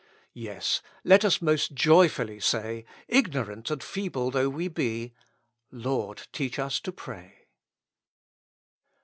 Yes, let us most joyfully say, ignorant and feeble though we be, ''Lord, teach us to pray."